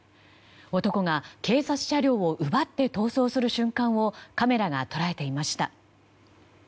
男が警察車両を奪って逃走する瞬間をカメラが捉えていました。